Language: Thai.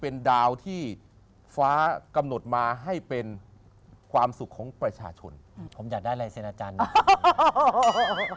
เป็นดาวที่ฟ้ากำหนดมาให้เป็นความสุขของประชาชนผมอยากได้ลายเซ็นอาจารย์นะ